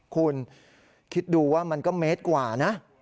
คุณคิดดูว่ามันก็เมตรกว่านะ